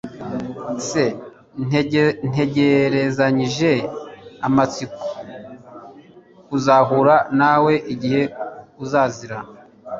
S Ntegerezanyije amatsiko kuzahura nawe igihe uzazira